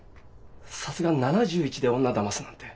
さすがに７１で女をだますなんて。